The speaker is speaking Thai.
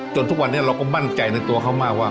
ทุกวันนี้เราก็มั่นใจในตัวเขามากว่า